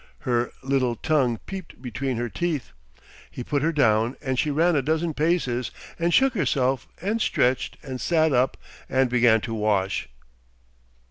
Her little tongue peeped between her teeth. He put her down, and she ran a dozen paces and shook herself and stretched and sat up and began to wash.